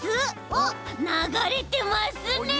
おっながれてますね！